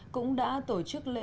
cũng đã tổ chức lãnh tụ này